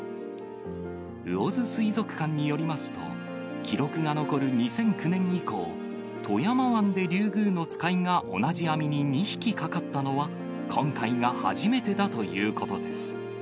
魚津水族館によりますと、記録が残る２００９年以降、富山湾でリュウグウノツカイが同じ網に２匹かかったのは今回が初めてだということです。